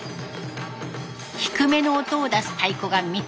低めの音を出す太鼓が３つ。